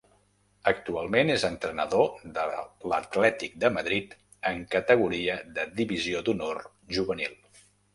Actualment és entrenador de l'Atlètic de Madrid en categoria de Divisió d'Honor Juvenil.